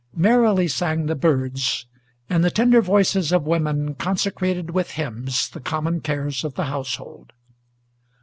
Merrily sang the birds, and the tender voices of women Consecrated with hymns the common cares of the household.